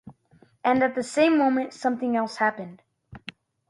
And at the same moment something else happened.